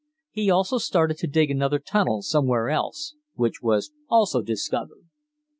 He also started to dig another tunnel somewhere else, which was also discovered.